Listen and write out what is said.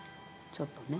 ちょっとね。